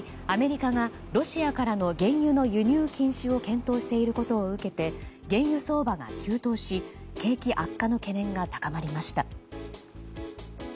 アメリカがロシアからの原油の輸入禁止を検討していることを受けて原油相場が急騰し景気悪化の懸念が高まりました。